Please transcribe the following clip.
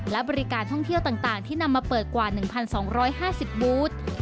และบริการท่องเที่ยวต่างที่นำมาเปิดกว่า๑๒๕๐บูธ